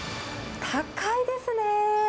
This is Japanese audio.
高いですね。